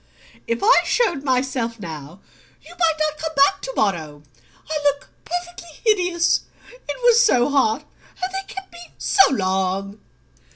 "If I showed myself now you might not come back to morrow. I look perfectly hideous it was so hot and they kept me so long."